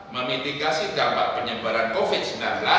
memitigasi dampak penyebaran covid sembilan belas